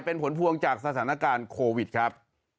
เป็นผลพวงจากสถานการณ์โควิดครับ